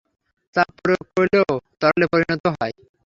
চাপ প্রয়োগ করলেও তরলে পরিণত হয়।